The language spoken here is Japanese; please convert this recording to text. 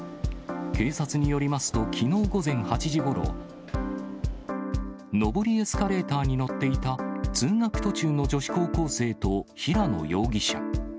警察によりますときのう午前８時ごろ、上りエスカレーターに乗っていた通学途中の女子高校生と平野容疑者。